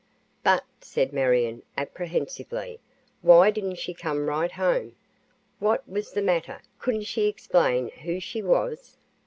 "But," said Marion, apprehensively, "why didn't she come right home? What was the matter couldn't she explain who she was?"